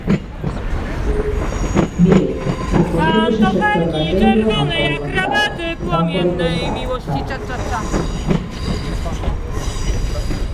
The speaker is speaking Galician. Mire, con vostedes o sector gandeiro non pode contar, non pode contar, non.